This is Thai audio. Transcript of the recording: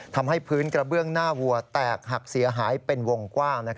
ทำให้พื้นกระเบื้องหน้าวัวแตกหักเสียหายเป็นวงกว้าง